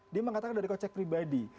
dia mengatakan dari kocek pribadi